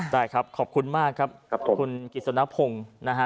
ได้ครับขอบคุณมากครับคุณกิจสนพงศ์นะฮะ